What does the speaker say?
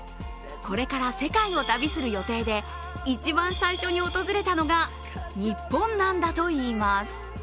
これから世界を旅する予定で一番最初に訪れたのが日本なんだといいます。